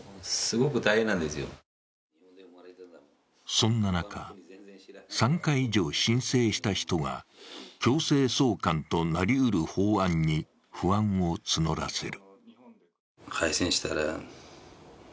そんな中、３回以上申請した人が強制送還となりうる法案に不安を募らせる。